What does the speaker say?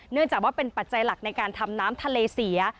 เนื่องจากว่าเป็นปัจจัยหลักในการทำน้ำทะเลเสีย